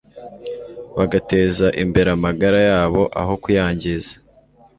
bagateza imbere amagara yabo aho kuyangiza